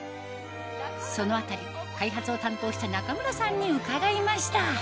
そのあたり開発を担当した中村さんに伺いました